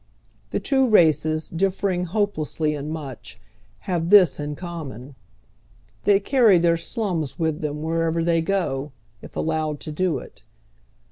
The two races, differing hojielessly in much, have tliis in common : they carry their shnns with them wherever they go, if allowed to do it.